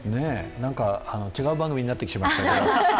なんか違う番組になってしまいましたが。